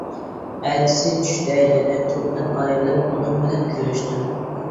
ئەتىسى چۈشتە، يەنە توپتىن ئايرىلىپ ئۇنىڭ بىلەن كۆرۈشتۈم.